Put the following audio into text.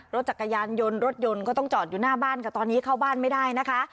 รถจักรยานยนต์รถยนต์ก็ต้องจอดอยู่หน้าบ้านกับตอนนี้เข้าบ้านไม่ได้นะคะ